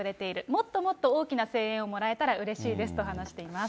もっともっと大きな声援をもらえたらうれしいですと話しています。